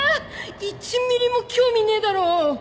１ミリも興味ねえだろ！